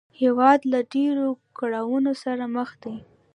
هېواد له ډېرو کړاوونو سره مخ دی